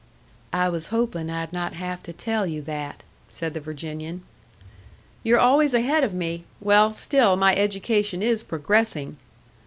"I was hoping I'd not have to tell you that," said the Virginian. "You're always ahead of me! Well, still my education is progressing."